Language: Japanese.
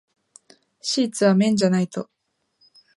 シーツは綿じゃないと。